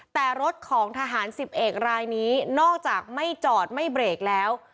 แต่รถของทหารสิบเอกรายนี้นอกจากไม่จอดไม่เบรกแล้ว